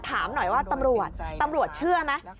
ถามหน่อยว่าตำรวจเชื่อไหม